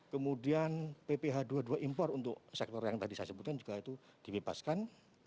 kemudian pph dua puluh dua impor untuk sektor yang tadi saya sebutkan juga itu dibebaskan